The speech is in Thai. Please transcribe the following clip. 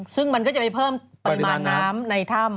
ซึ่งมันก็จะไปเพิ่มปริมาณน้ำในถ้ำ